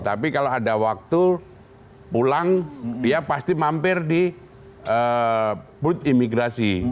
tapi kalau ada waktu pulang dia pasti mampir di put imigrasi